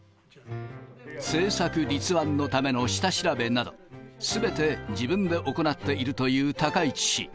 政策立案のための下調べなど、すべて自分で行っているという高市氏。